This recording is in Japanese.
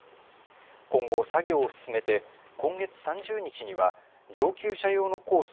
今後、作業を進めて今月３０日には上級者用のコース